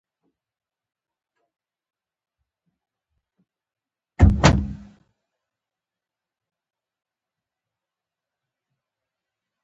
مخ دې وي روڼ د خدای په مهر و رحمت.